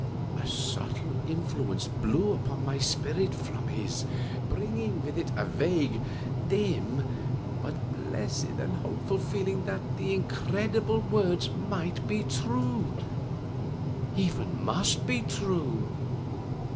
_" A subtle influence blew upon my spirit from his, bringing with it a vague, dim, but blessed and hopeful feeling that the incredible words might be true even must be true.